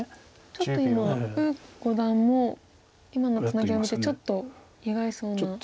ちょっと今呉五段も今のツナギを見てちょっと意外そうな。